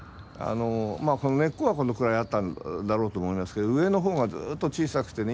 この根っこはこのくらいあったんだろうと思いますけど上のほうがずっと小さくてね